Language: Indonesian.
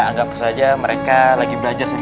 anggap saja mereka lagi